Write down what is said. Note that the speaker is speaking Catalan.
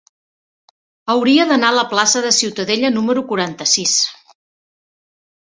Hauria d'anar a la plaça de Ciutadella número quaranta-sis.